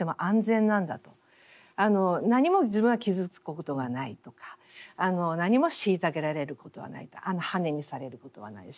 何も自分は傷つくことがないとか何も虐げられることはないとはねにされることはないしという。